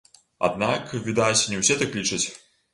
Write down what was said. Аднак, відаць, не ўсе так лічаць.